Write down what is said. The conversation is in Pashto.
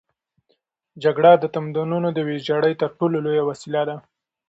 جګړه د تمدنونو د ویجاړۍ تر ټولو لویه وسیله ده.